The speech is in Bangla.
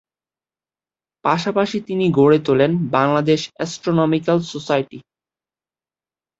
পাশাপাশি তিনি গড়ে তোলেন বাংলাদেশ অ্যাস্ট্রোনমিক্যাল সোসাইটি।